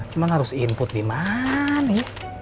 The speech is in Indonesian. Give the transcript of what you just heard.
cuman harus input di mana